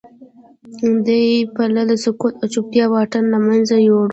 دې پله د سکوت او چوپتیا واټن له منځه یووړ